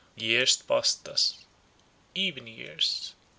Years passed thus,—even years.